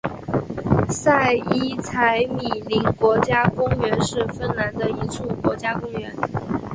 塞伊采米宁国家公园是芬兰的一处国家公园。